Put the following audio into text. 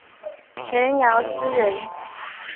陈尧咨人。